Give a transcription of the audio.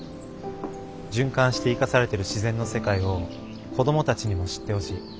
循環して生かされている自然の世界を子どもたちにも知ってほしい。